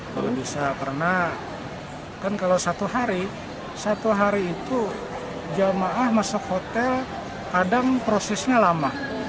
karena kan kalau satu hari satu hari itu jemaah masuk hotel kadang prosesnya lama